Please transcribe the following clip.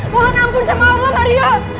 mohon ampun sama allah maria